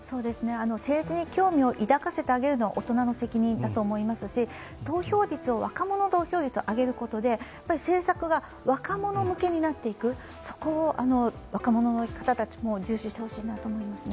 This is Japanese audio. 政治に興味を抱かせてあげるのは大人の責任だと思いますし若者投票率を上げることで政策が若者向けになっていくそこを若者の方たちも重視してほしいなと思いますね。